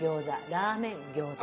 ラーメン餃子。